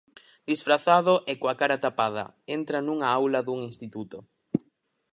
Disfrazado e coa cara tapada, entra nunha aula dun instituto.